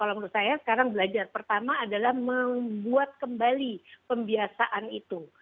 kalau menurut saya sekarang belajar pertama adalah membuat kembali pembiasaan itu